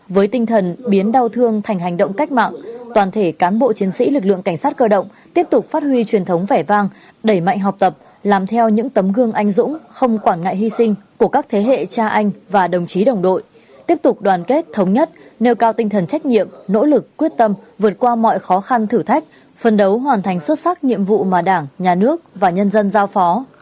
với tinh thần biến đau thương thành hành động cách mạng toàn thể cán bộ chiến sĩ lực lượng cảnh sát cơ động tiếp tục phát huy truyền thống vẻ vang đẩy mạnh học tập làm theo những tấm gương anh dũng không quản ngại hy sinh của các thế hệ cha anh và đồng chí đồng đội tiếp tục đoàn kết thống nhất nêu cao tinh thần trách nhiệm nỗ lực quyết tâm vượt qua mọi khó khăn thử thách phân đấu hoàn thành xuất sắc nhiệm vụ mà đảng nhà nước và nhân dân giao phó